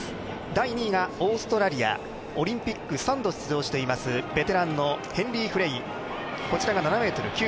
第２位がオーストラリアオリンピック３度出場しているベテランのヘンリー・フレイン、こちらが７ｍ９３。